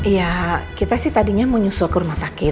ya kita sih tadinya mau nyusul ke rumah sakit